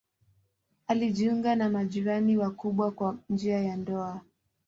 Alijiunga na majirani wakubwa kwa njia ya ndoa.